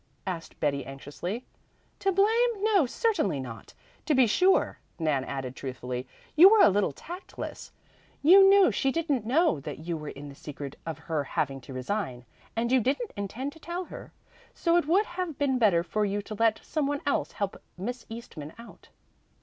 asked Betty anxiously. "To blame? No, certainly not. To be sure," Nan added truthfully, "you were a little tactless. You knew she didn't know that you were in the secret of her having to resign, and you didn't intend to tell her, so it would have been better for you to let some one else help Miss Eastman out."